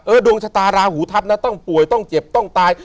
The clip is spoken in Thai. ดวงชะตาราหูทัพนะต้องป่วยต้องเจ็บต้องตาย